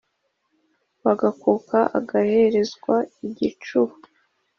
bagakuka agaherezwa igicúba